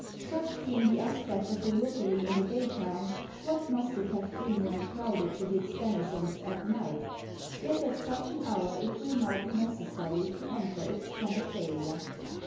Such being the aspect of the Rookery in the daytime, what must it have been when crowded with its denizens at night! Yet at such an hour it will now be necessary to enter its penetralia.